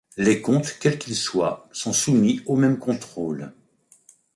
Les comptes quels qu'ils soient sont soumis aux mêmes contrôles.